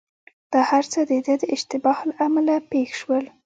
دا هرڅه دده د اشتباه له امله پېښ شول.